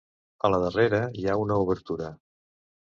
A la darrera hi ha una obertura.